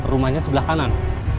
rumahnya sebelah kanan